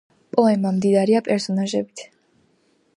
პოემა მდიდარია პერსონაჟებით